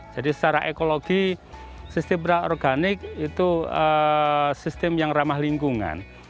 jadi secara ekologi sistem organik itu sistem yang ramah lingkungan